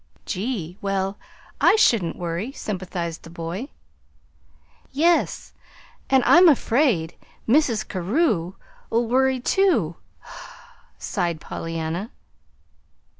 "Gee! Well, I should worry!" sympathized the boy. "Yes, and I'm afraid Mrs. Carew'll worry, too," sighed Pollyanna.